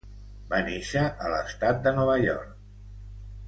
Va néixer a l'estat de Nova York.